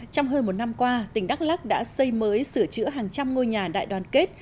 trong hơn một năm qua tỉnh đắk lắc đã xây mới sửa chữa hàng trăm ngôi nhà đại đoàn kết